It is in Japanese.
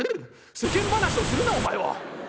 「世間話をするなお前は。